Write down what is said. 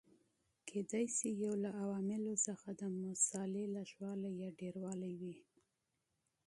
کېدای شي یو له عواملو څخه د مسالې لږوالی یا ډېروالی وي.